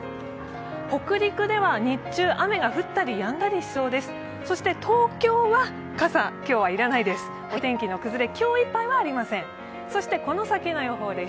北陸では日中、雨が降ったりやんだりしそうです。